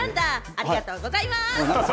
ありがとうございます。